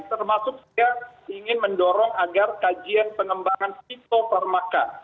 termasuk juga ingin mendorong agar kajian pengembangan psikoparmaka